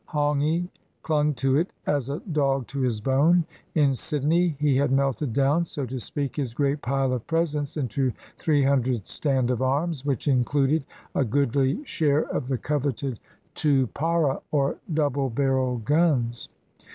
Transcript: Hongi clung to it as a dog to his bone. In Sydney he had melted down, so to speak, his great pile of presents into three hundred stand of arms, which included a goodly share of the coveted tupara, or double barreled guns.